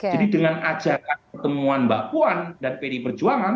jadi dengan ajakan pertemuan mbak puan dan pd perjuangan